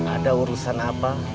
ada urusan apa